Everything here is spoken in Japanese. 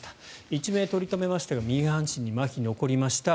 一命を取り留めましたが右半身にまひが残りました。